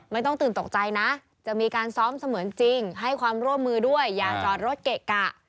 ไม่ต้องตื่นตกใจนะจะมีการซ้อมเสมือนจริงให้ความร่วมมือด้วยอย่าจอดรถเกะกะ